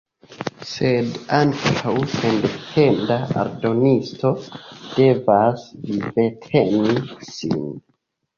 Sed ankaŭ sendependa eldonisto devas vivteni sin.